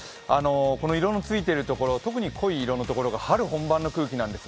この色のついているところ、特に濃い色のところが春本番の空気なんです。